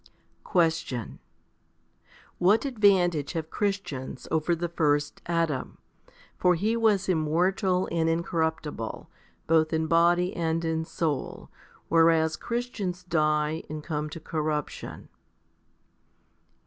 39. Question. What advantage have Christians over the first Adam ? for he was immortal and incorruptible, both in body and in soul, whereas Christians die and come to corruption.